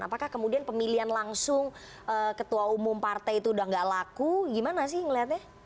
apakah kemudian pemilihan langsung ketua umum partai itu udah gak laku gimana sih ngeliatnya